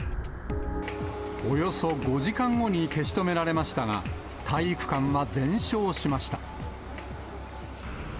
およそ５時間後に消し止められましたが、体育館は全焼しました。